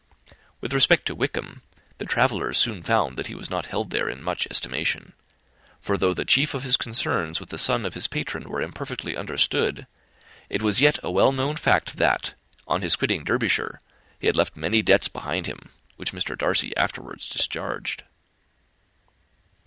With respect to Wickham, the travellers soon found that he was not held there in much estimation; for though the chief of his concerns with the son of his patron were imperfectly understood, it was yet a well known fact that, on his quitting Derbyshire, he had left many debts behind him, which Mr. Darcy afterwards discharged.